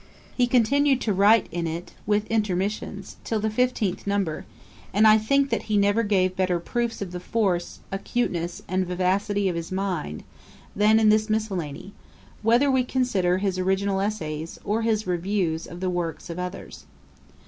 He continued to write in it, with intermissions, till the fifteenth number; and I think that he never gave better proofs of the force, acuteness, and vivacity of his mind, than in this miscellany, whether we consider his original essays, or his reviews of the works of others.